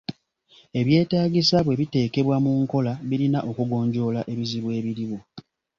Ebyetaagisa bwe biteekebwa mu nkola birina okugonjoola ebizibu ebiriwo.